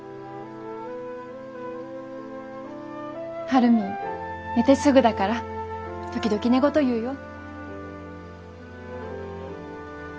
晴海寝てすぐだから時々寝言言うよ。